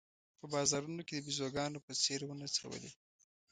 په بازارونو کې د بېزوګانو په څېر ونڅولې.